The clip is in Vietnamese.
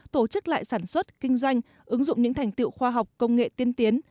tổ chức lại sản xuất kinh doanh ứng dụng những thành tiệu khoa học công nghệ tiên tiến